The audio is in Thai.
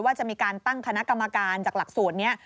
ว่าจะมีการตั้งคณะกรรมการจากหลักสูตรนี้